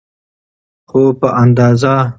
خو په اندازه.